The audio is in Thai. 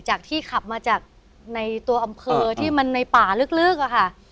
จากที่ขับมาจากในตัวอำเภอที่มันในป่าลึกอะค่ะ